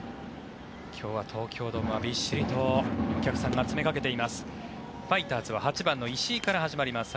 今日は東京ドームはびっしりとお客さんが詰めかけています。